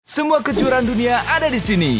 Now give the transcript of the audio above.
semua kejuaraan dunia ada di sini